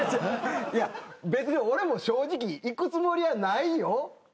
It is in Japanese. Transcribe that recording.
いや別に俺も正直行くつもりはないよ。